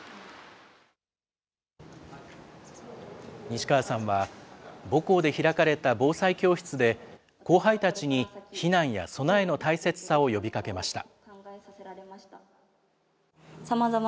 西川さんは、母校で開かれた防災教室で、後輩たちに避難や備えの大切さを呼びかけました。